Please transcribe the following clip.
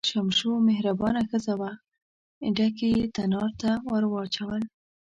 شمشو مهربانه ښځه وه، ډکي یې تنار ته ور واچول.